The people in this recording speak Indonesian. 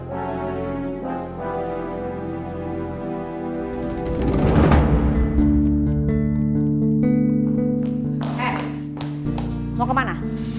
hei mau kemana